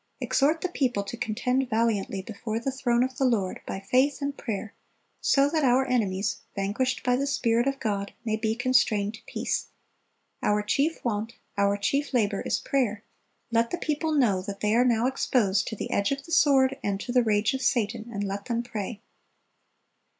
Exhort the people to contend valiantly before the throne of the Lord, by faith and prayer, so that our enemies, vanquished by the Spirit of God, may be constrained to peace. Our chief want, our chief labor, is prayer; let the people know that they are now exposed to the edge of the sword and to the rage of Satan, and let them pray."